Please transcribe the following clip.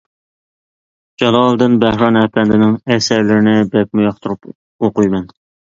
جالالىدىن بەھرام ئەپەندىنىڭ ئەسەرلىرىنى بەكمۇ ياقتۇرۇپ ئوقۇيمەن.